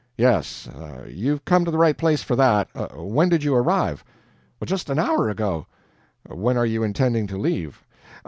"Yes ... you've come to the right place for that. When did you arrive?" "Just an hour ago." "When are you intending to leave?"